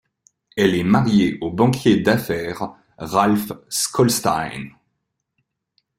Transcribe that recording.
Elle est mariée au banquier d'affaires Ralph Schlosstein.